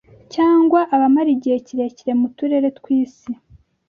cyangwa abamara igihe kirekire mu turere tw’isi